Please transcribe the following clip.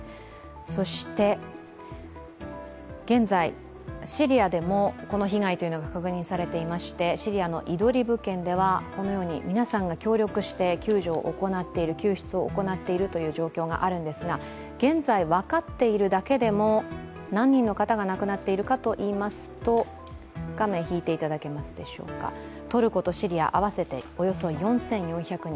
そして現在、シリアでもこの被害は確認されていましてシリアのイドリブ県ではこのように皆さんが協力して救出を行っているという状況があるんですが現在分かっているだけでも、何人の方が亡くなっているかといいますと、トルコとシリア、合わせておよそ４４００人。